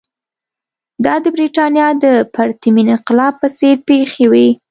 دا د برېټانیا د پرتمین انقلاب په څېر پېښې وې.